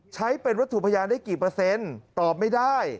ใช้เป็นวัตถุพยานได้กี่เปอร์เซ็นต์ตอบไม่ได้